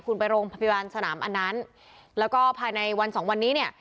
คุณไปโรงพยาบาลสนามอันนั้นแล้วก็ภายในวันสองวันนี้เนี่ย